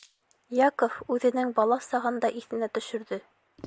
Яков үҙенең бала сағын да иҫенә төшөрҙө.